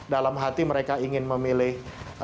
dalam hati mereka ingin memilih